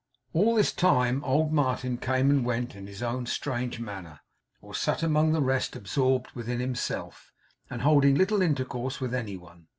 All this time old Martin came and went in his own strange manner, or sat among the rest absorbed within himself, and holding little intercourse with any one.